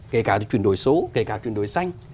kể cả chuyển đổi số kể cả chuyển đổi xanh